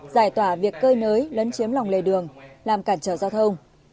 giải tỏa việc cơi nới lấn chiếm lòng lề đường làm cản trở giao thông